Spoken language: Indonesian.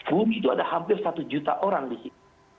bumi itu ada hampir satu juta orang di situ